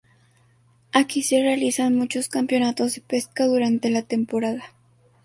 Aquí se realizan muchos campeonatos de pesca durante la temporada.